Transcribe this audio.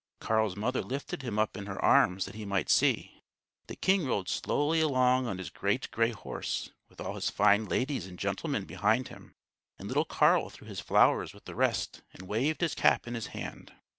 Carl's mother lifted him up in her arms that he might see, The king rode slowly along on his great gray horse, with all his fine ladies and gentlemen behind him; and little Carl threw his flowers with the rest and waved his cap in his hand.